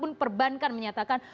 mudah apapun perbankan menyatakan